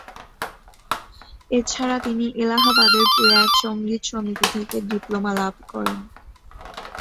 এছাড়া তিনি এলাহাবাদের প্রয়াগ সঙ্গীত সমিতি থেকে ডিপ্লোমা লাভ করেন।